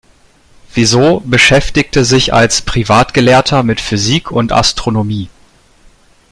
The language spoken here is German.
Fizeau beschäftigte sich als Privatgelehrter mit Physik und Astronomie.